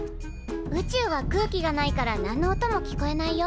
宇宙は空気がないから何の音も聞こえないよ。